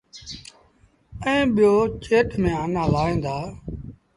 ائيٚݩ ٻيٚ چيٽ ميݩ آنآ لآوهيݩ دآ۔